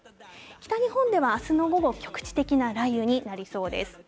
北日本ではあすの午後、局地的な雷雨になりそうです。